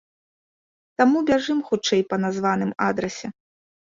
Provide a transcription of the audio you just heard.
Таму бяжым хутчэй па названым адрасе.